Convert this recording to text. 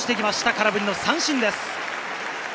空振りの三振です。